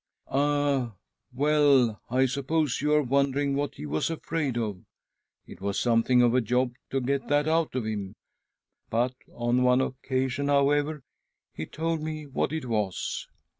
" Ah, well ! I suppose you are wondering what he was afraid of. It was something of a job to get that out of h im, but on one occasion; however, he : told me what it was.